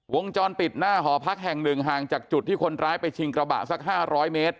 วงจรปิดหน้าหอพักแห่งหนึ่งห่างจากจุดที่คนร้ายไปชิงกระบะสัก๕๐๐เมตร